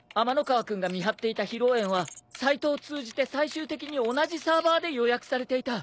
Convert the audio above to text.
河君が見張っていた披露宴はサイトを通じて最終的に同じサーバーで予約されていた。